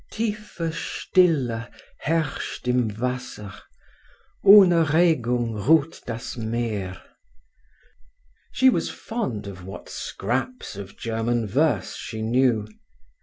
Tiefe Stille herrscht im Wasser Ohne Regung ruht das Meer … She was fond of what scraps of German verse she knew.